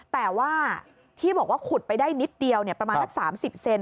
แต่ว่าที่บอกว่าขุดไปได้นิดเดียวประมาณสัก๓๐เซน